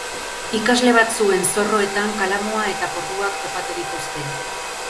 Ikasle batzuen zorroetan kalamua eta porruak topatu dituzte.